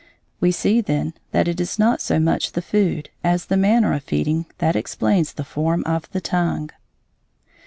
We see, then, that it is not so much the food as the manner of feeding that explains the form of the tongue.